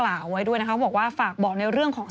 ไม่ได้ออกไม่ได้ออกไม่ได้ออก